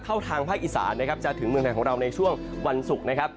ทางภาคอีสานนะครับจะถึงเมืองไทยของเราในช่วงวันศุกร์นะครับ